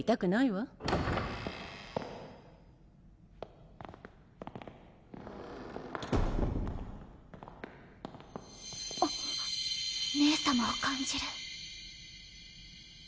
バタンあっ姉様を感じる。